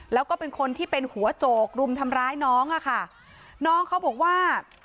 แล้วก็เป็นคนที่เป็นหัวโจกรุมทำร้ายน้องอ่ะค่ะน้องเขาบอกว่า